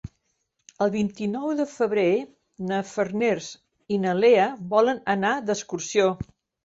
El vint-i-nou de febrer na Farners i na Lea volen anar d'excursió.